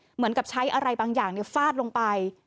เหมือนกับใช้อะไรบางอย่างฟาดลงไป